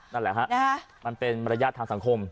นั่นแหละฮะมันเป็นมารยาททางสังคม